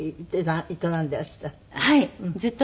はい。